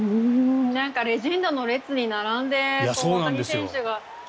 なんかレジェンドの列に並んで大谷選手が。